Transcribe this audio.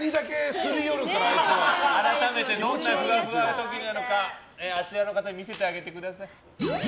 改めてどんなふわふわ特技なのかあちらの方に見せてあげてください。